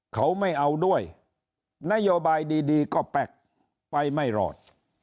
เขาไม่เอาด้วยนโยบายดีก็แป๊กไปไม่รอด